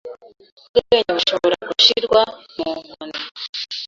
Ubwenge bushobora gushirwa mu nkoni